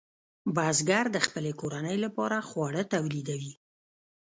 بزګر د خپلې کورنۍ لپاره خواړه تولیدوي.